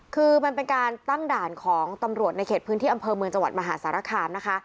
คือมันเป็นการตั้งด่านของตำรวจในเขตพื้นที่อำเภอเมืองจังหวัดมหาสารคามนะคะ